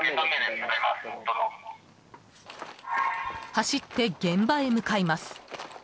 走って現場へ向かいます。